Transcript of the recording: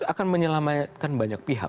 akan menyelamatkan banyak pihak